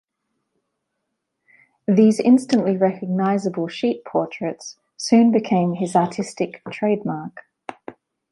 These instantly-recognizable sheep portraits soon became his artistic "trademark".